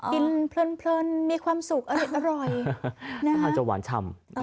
กินเพลินมีความสุขอร่อยหน้ามันจะหวานชำ